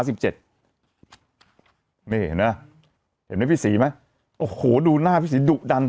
นี่เห็นมั้ยเห็นมั้ยพี่ศรีมั้ยโอ้โหดูหน้าพี่ศรีดุดัน